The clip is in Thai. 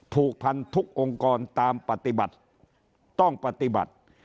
ผูกพันทุกองค์กรตามปฏิบัติต้องปฏิบัติ